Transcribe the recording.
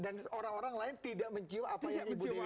dan orang orang lain tidak mencium apa yang ibu dewi cium